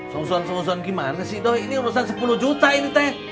seujun seujun gimana sih doi ini urusan sepuluh juta ini cek